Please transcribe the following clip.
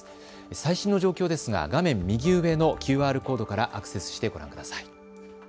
最新の状況ですが画面右上のＱＲコードからアクセスしてご覧ください。